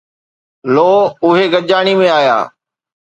لو، اهي گڏجاڻي ۾ آيا